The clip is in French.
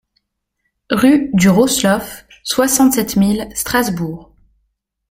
RUE DU ROSSLAUF, soixante-sept mille Strasbourg